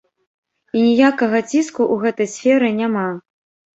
І ніякага ціску ў гэтай сферы няма.